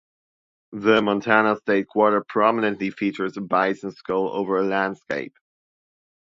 The Montana state quarter prominently features a bison skull over a landscape.